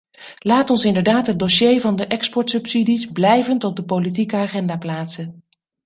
Laat ons inderdaad het dossier van de exportsubsidies blijvend op de politieke agenda plaatsen.